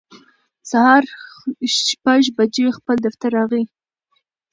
سهار شپږ بجې خپل دفتر راغی